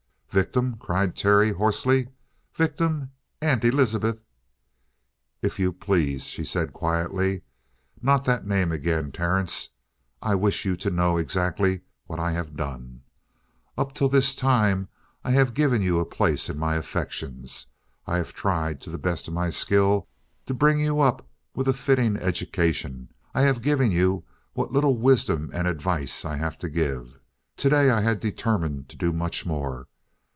"Victim?" cried Terry hoarsely. "Victim, Aunt Elizabeth?" "If you please," she said quietly, "not that name again, Terence. I wish you to know exactly what I have done. Up to this time I have given you a place in my affections. I have tried to the best of my skill to bring you up with a fitting education. I have given you what little wisdom and advice I have to give. Today I had determined to do much more.